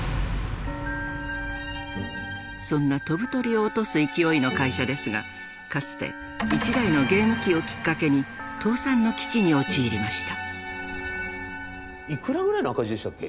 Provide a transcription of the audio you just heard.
そんな「飛ぶ鳥を落とす勢い」の会社ですがかつて１台のゲーム機をきっかけに倒産の危機に陥りました。